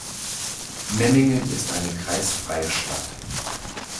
Memmingen ist eine kreisfreie Stadt.